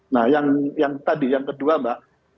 nah yang tadi yang kedua mbak